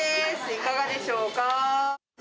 いかがでしょうか。